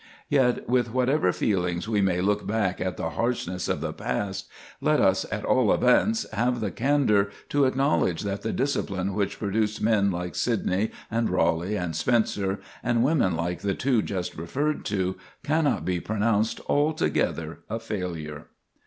Yet, with whatever feelings we may look back at the harshness of the past, let us, at all events, have the candor to acknowledge that the discipline which produced men like Sidney and Raleigh and Spenser, and women like the two just referred to, cannot be pronounced altogether a failure.